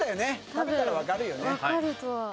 食べたら分かるよね。